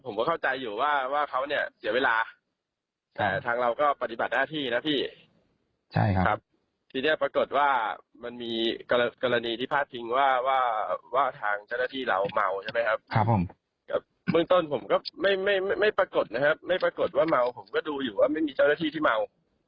ไม่ปรากฏนะครับไม่ปรากฏว่าเมาผมก็ดูอยู่ว่าไม่มีเจ้าหน้าที่ที่เมา